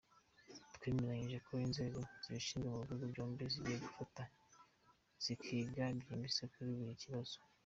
Twemeranyije ko inzego zibishinzwe mu bihugu byombi zigiye gufatanya zikiga byimbitse kuri buri kibazo“.